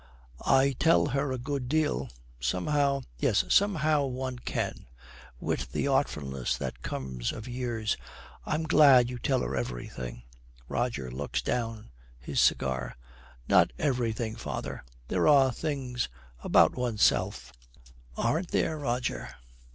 'I tell her a good deal. Somehow ' 'Yes, somehow one can.' With the artfulness that comes of years, 'I'm glad you tell her everything.' Roger looks down his cigar. 'Not everything, father. There are things about oneself ' 'Aren't there, Roger!'